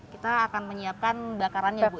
kita akan menyiapkan bakarannya bu